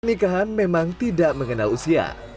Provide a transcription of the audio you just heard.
pernikahan memang tidak mengenal usia